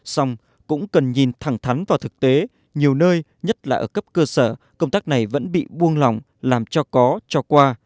xong cũng cần nhìn thẳng thắn vào thực tế nhiều nơi nhất là ở cấp cơ sở công tác này vẫn bị buông lỏng làm cho có cho qua